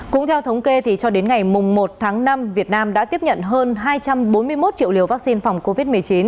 cũng theo thống kê cho đến ngày một tháng năm việt nam đã tiếp nhận hơn hai trăm bốn mươi một triệu liều vaccine phòng covid một mươi chín